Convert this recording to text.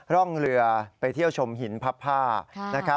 ร่องเรือไปเที่ยวชมหินพับผ้า